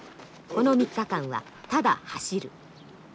この３日間はただ走る。